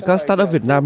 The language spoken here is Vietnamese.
các startup việt nam